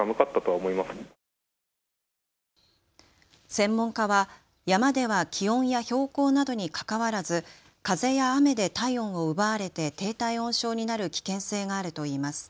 専門家は山では気温や標高などにかかわらず風や雨で体温を奪われて低体温症になる危険性があるといいます。